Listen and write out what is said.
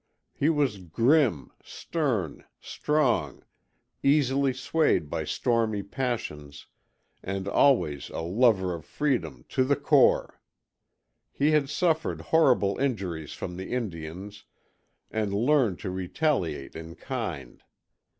He was grim, stern, strong, easily swayed by stormy passions, and always a lover of freedom, to the core. He had suffered horrible injuries from the Indians and learned to retaliate in kind.